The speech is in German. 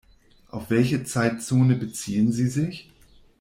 Auf welche Zeitzone beziehen Sie sich?